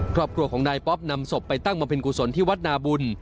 ควรบกลัวของนายป๊อปนำสบไปตั้งมาเป็นกุศลที่วัดนาบุล